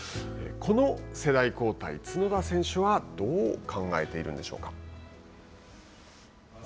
この世代交代角田選手はどう考えているんでしょうか。